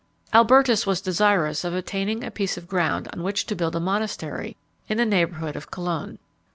Albertus was desirous of obtaining a piece of ground on which to build a monastery in the neighbourhood of Cologne.